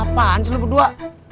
apaan sih lu berdua